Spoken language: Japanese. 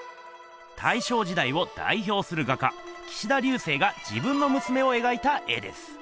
大正時代をだいひょうする画家岸田劉生が自分のむすめを描いた絵です。